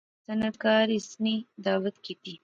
صنعتکار اس نی دعوت کیتی